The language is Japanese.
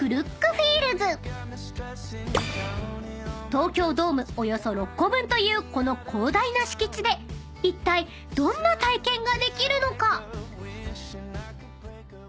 ［東京ドームおよそ６個分というこの広大な敷地でいったいどんな体験ができるのか？］